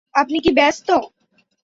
আপনি কি ব্যস্ত?